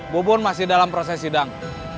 bu pun masih dalam proses sidang